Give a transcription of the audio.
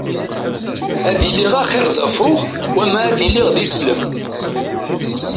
Ad iliɣ axiṛ d afṛux wama ad iliɣ d islem.